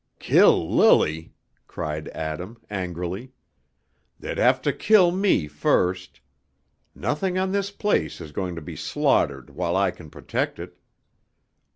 "Kill Lily," cried Adam, angrily. "They'd have me to kill first; nothing on this place is going to be slaughtered while I can protect it."